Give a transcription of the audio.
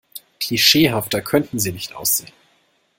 Klischeehafter könnten Sie nicht aussehen.